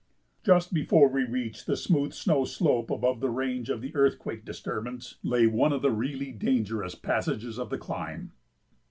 Just before we reached the smooth snow slope above the range of the earthquake disturbance lay one of the really dangerous passages of the climb.